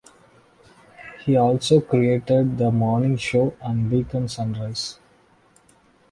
He also created "The Morning Show" and "Weekend Sunrise".